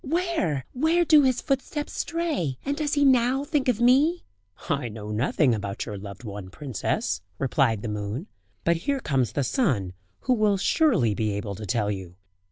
Where? where do his footsteps stray? And does he now think of me?" "I know nothing about your loved one, princess," replied the moon; "but here comes the sun, who will surely be able to tell you."